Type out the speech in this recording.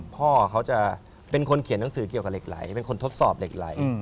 พ่อเขาจะเป็นคนเขียนหนังสือเกี่ยวกับเหล็กไหลเป็นคนทดสอบเหล็กไหล